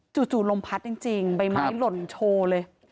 ลมพัดจริงใบไม้หล่นโชว์เลย